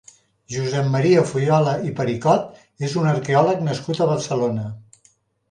Josep Maria Fullola i Pericot és un arqueòleg nascut a Barcelona.